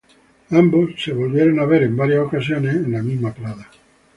Ambos volvieron a ver en varias ocasiones en la misma Prada.